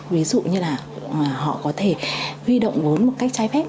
ví dụ như là họ có thể huy động vốn một cách trái phép